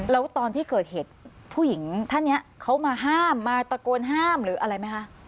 แล้วตอนที่เกิดเหตุผู้หญิงท่านนี้เขามาห้ามมาตะโกนห้ามหรืออะไรไหมคะ